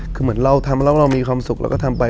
คือเหมือนเราทำแล้วเรามีความสุขเราก็ทำไป